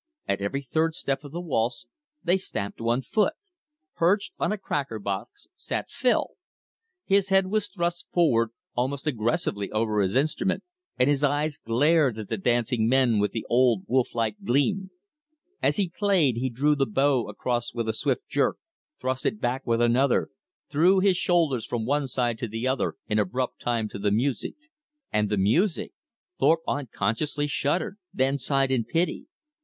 At every third step of the waltz they stamped one foot. Perched on a cracker box sat Phil. His head was thrust forward almost aggressively over his instrument, and his eyes glared at the dancing men with the old wolf like gleam. As he played, he drew the bow across with a swift jerk, thrust it back with another, threw his shoulders from one side to the other in abrupt time to the music. And the music! Thorpe unconsciously shuddered; then sighed in pity.